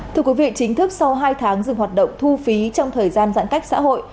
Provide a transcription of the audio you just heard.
thưa quý vị chính thức sau hai tháng dừng hoạt động thu phí trong thời gian giãn cách xã hội